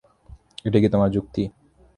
এটাই কি তোমার যুক্তি?